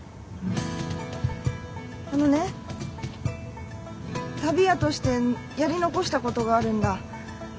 あのね旅屋としてやり残したことがあるんだ。